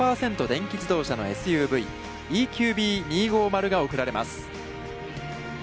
電気自動車のＳＵＶ、ＥＱＢ２５０が贈られます。